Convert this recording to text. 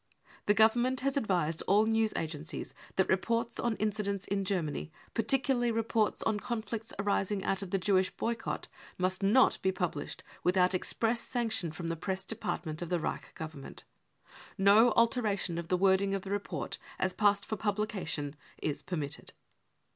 The Government has advised all news agencies that reports on incidents in Germany, MURDER particularly reports on conflicts arising out of the Jewish boycott, must not be published without express sanction, from the press department of the Reich Government. No alteration of the wording of the report as passed for publication is permitted."